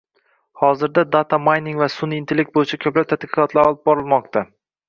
Hozirga “data mining” va sunʼiy intellekt boʻyicha koʻplab tadqiqotlar olib borilmoqda.